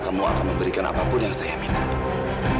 kamu akan memberikan apapun yang kamu inginkan